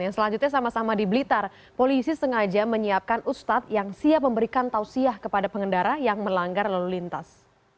selanjutnya sama sama di blitar polisi sengaja menyiapkan ustadz yang siap memberikan tausiah kepada pengendara yang melanggar lalu lintas